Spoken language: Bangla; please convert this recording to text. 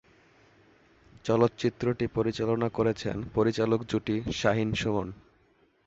চলচ্চিত্রটি পরিচালনা করেছেন পরিচালক জুটি শাহীন সুমন।